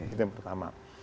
itu yang pertama